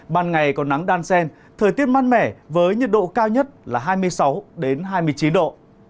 ban ngày có nắng đan sen thời tiết mát mẻ với nhiệt độ cao nhất là hai mươi sáu hai mươi chín độ